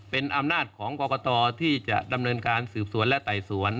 เป็นอำนาจของกรกตที่จะดำเนินการสืบสวนและไต่สวน